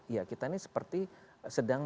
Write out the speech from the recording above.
ya kita ini seperti sedang